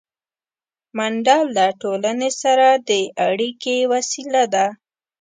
منډه له ټولنې سره د اړیکې وسیله ده